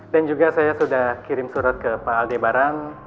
dan juga saya sudah kirim surat ke pak aldebaran